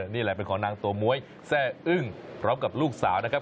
นี่แหละเป็นของนางตัวม้วยแซ่อึ้งพร้อมกับลูกสาวนะครับ